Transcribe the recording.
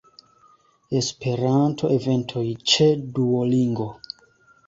Esperanto-eventoj ĉe Duolingo.